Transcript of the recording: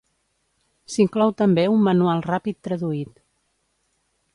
S'inclou també un manual ràpid traduït.